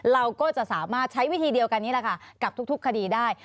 เราก็จะสามารถใช้วิธีเดียวกันนี้แหละค่ะกับทุกคดีได้